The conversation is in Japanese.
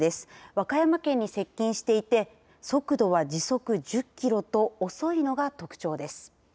和歌山県に接近していて速度は時速１０キロと遅いのが特徴です。